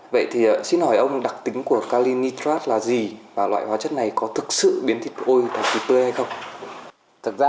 vậy thì xin hỏi ông đặc tính của calinitrat là gì và loại hóa chất này có thực sự biến thịt ôi thành thịt tươi hay không